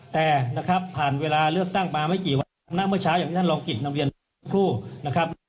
แต่นะครับผ่านเวลาเลือกตั้งมาไม่กี่วันณเมื่อเช้าอย่างที่ท่านรองกิจนำเรียนครูนะครับ